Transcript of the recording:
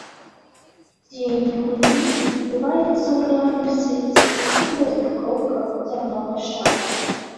Дзеянне гульні адбываецца ў рэальным свеце ў розных кропках зямнога шара.